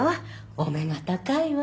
お目が高いわ。